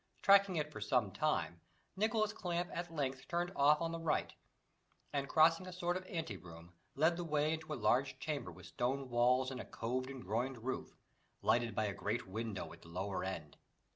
Tracking it for some time, Nicholas Clamp at length turned off on the right, and, crossing a sort of ante room, led the way into a large chamber with stone walls and a coved and groined roof, lighted by a great window at the lower end.